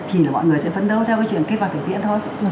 thì là mọi người sẽ phấn đấu theo cái chuyện kết quả thực tiễn thôi